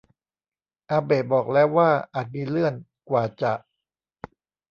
อาเบะบอกแล้วว่าอาจมีเลื่อน กว่าจะ